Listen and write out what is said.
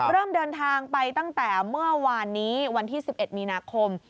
เริ่มเดินทางไปตั้งแต่เมื่อวานนี้วันที่๑๑มีนาคม